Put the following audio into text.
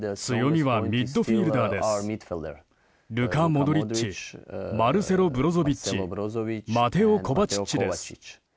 ルカ・モドリッチマルセロ・ブロゾビッチマテオ・コバチッチです。